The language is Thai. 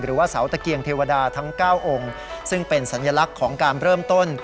หรือว่าเสาตะเกียงเทวดาทั้ง๙องค์ซึ่งเป็นสัญลักษณ์ของการเริ่มต้น